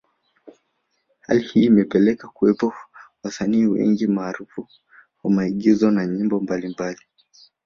Hali hii imepelekea kuwepo wasanii wengi maarufu wa maigizo na nyimbo mbalimbali